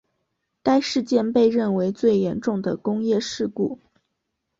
该事件被认为最严重的工业事故。